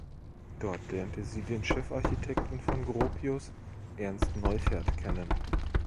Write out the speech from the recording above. Dort lernte sie den Chefarchitekten von Gropius, Ernst Neufert kennen.